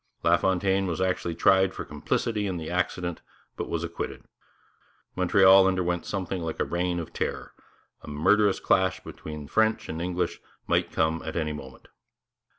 LaFontaine was actually tried for complicity in the accident, but was acquitted. Montreal underwent something like a Reign of Terror; a murderous clash between French and English might come at any moment.